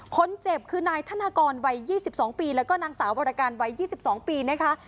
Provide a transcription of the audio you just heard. คนเจ็บคือนายธนากรวัย๒๒ปีแล้วก็นางสาววรการวัย๒๒ปีนะคะ